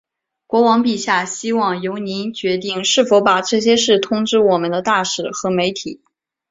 国王陛下希望由您决定是否把这些事通知我们的大使和媒体。